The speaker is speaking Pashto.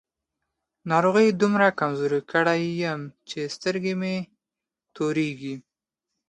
ناروغۍ دومره کمزوری کړی يم چې سترګې مې تورېږي.